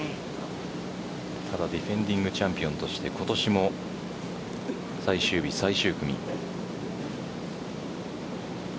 ただディフェンディングチャンピオンとして、今年も最終日、最終組。